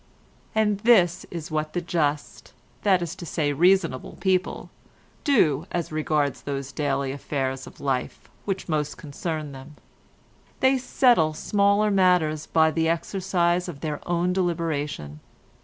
And this is what the just—that is to say reasonable people—do as regards those daily affairs of life which most concern them. They settle smaller matters by the exercise of their own deliberation.